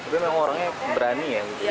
tapi memang orangnya berani ya